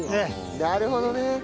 なるほどね。